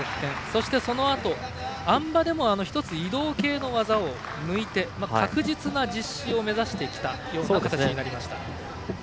そしてそのあと、あん馬でも１つ、移動系の技を抜いて確実な実施を目指してきた形になりました。